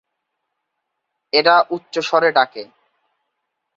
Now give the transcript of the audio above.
এরা উচ্চস্বরে ডাকে।